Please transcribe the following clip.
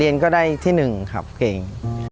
ใช่ที่หนึ่งครับเก่ง